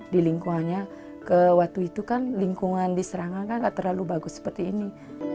di lingkungannya ke waktu itu kan lingkungan diserangkan gak terlalu bagus seperti ini